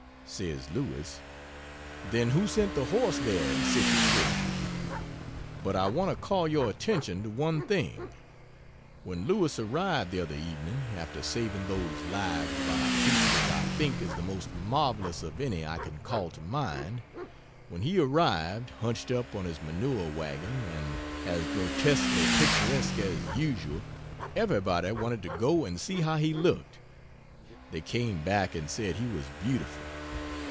Says Lewis: "Then who sent the horse there in sich a shape?" But I want to call your attention to one thing. When Lewis arrived the other evening, after saving those lives by a feat which I think is the most marvelous of any I can call to mind when he arrived, hunched up on his manure wagon and as grotesquely picturesque as usual, everybody wanted to go and see how he looked. They came back and said he was beautiful.